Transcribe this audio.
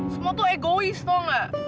semua tuh egois tuh gak